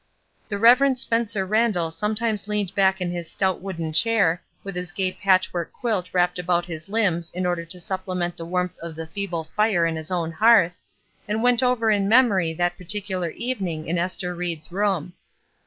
The Rev. Spencer Randall sometimes leaned back in his stout wooden chair, with his gay patchwork quilt wrapped about his hmbs in order to supplement the warmth of the feeble fire on his own hearth, and went over in memory that particular evening in Ester Ried's room.